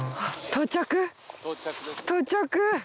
到着。